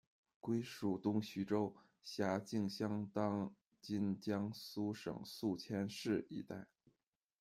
归属东徐州，辖境相当今江苏省宿迁市一带。